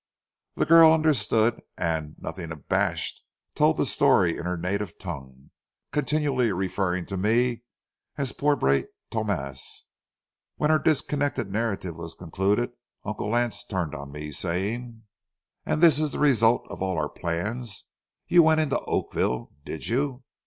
The girl understood, and, nothing abashed, told the story in her native tongue, continually referring to me as pobre Tomas. When her disconnected narrative was concluded, Uncle Lance turned on me, saying:— "And this is the result of all our plans. You went into Oakville, did you?